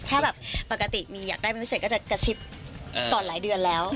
ถ้าแบบปกติมีอยากได้เป็นพิเศษก็จะกระซิบก่อนหลายเดือนแล้ว